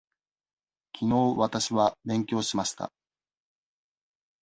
きのうわたしは勉強しました。